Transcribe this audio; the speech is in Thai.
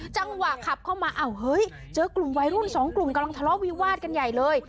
จังหวะขับเข้ามาอ้าวเฮ้ยเจอกลุ่มวัยรุ่นสองกลุ่มกำลังทะเลาะวิวาดกันใหญ่เลย